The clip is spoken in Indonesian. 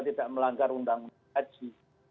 tidak melanggar undang haji